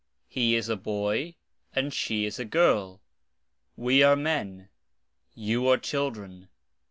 He is a boy, and she is a girl. We are men. You are children.